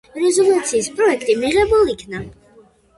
რეზოლუციის პროექტი მიღებულ იქნა.